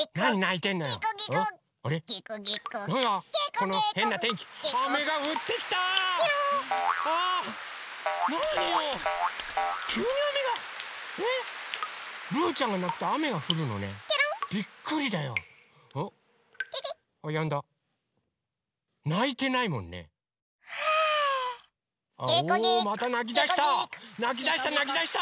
なきだしたなきだした！